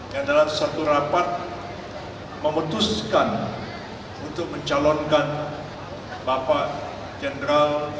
yang dalam satu rapat memutuskan untuk mencalonkan bapak jenderal